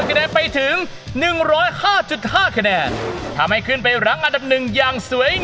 คะแนนพิเศษอีก๒คะแนนเป็น๑๐๕๕คะแนน